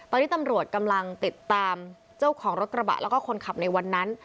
ตอนนี้ตำรวจกำลังติดตามเจ้าของรถกระบะแล้วก็คนขับในวันนั้น